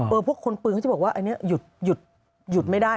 พวกคนปืนเขาจะบอกว่าอันนี้หยุดไม่ได้